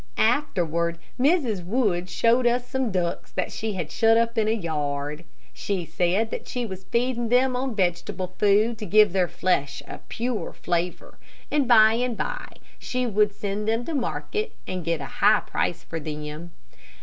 Afterward, Mrs. Wood showed us some ducks that she had shut up in a yard. She said that she was feeding them on vegetable food, to give their flesh a pure flavor, and by and by she would send them to market and get a high price for them.